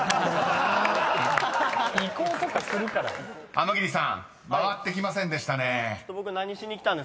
［あむぎりさん回ってきませんでしたね］